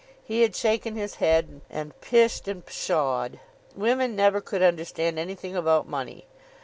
He had shaken his head and pished and pshawed. Women never could understand anything about money.